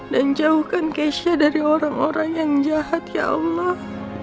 dan jauhkan keisha dari orang orang yang jahat ya allah